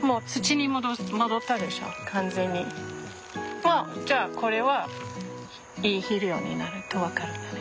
もうじゃあこれはいい肥料になると分かるよね。